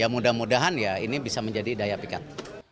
mudah mudahan ini bisa menjadi daya pikat